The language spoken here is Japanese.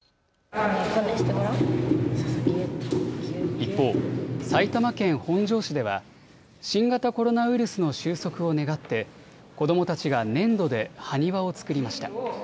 一方、埼玉県本庄市では新型コロナウイルスの終息を願って子どもたちが粘土で埴輪を作りました。